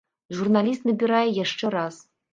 Журналіст набірае яшчэ раз.